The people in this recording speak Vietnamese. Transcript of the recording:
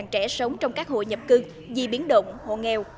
ba trăm năm mươi trẻ sống trong các hội nhập cư di biến động hộ nghèo